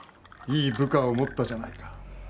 いい部下を持ったじゃないか。